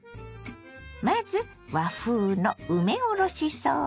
まず和風の梅おろしソース。